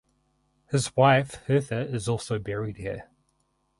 His wife Hertha is also buried here.